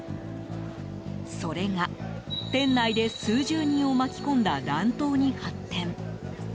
それが、店内で数十人を巻き込んだ乱闘に発展。